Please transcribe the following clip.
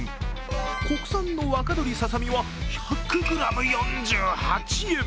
国産の若鶏ささみは１００ｇ４８円。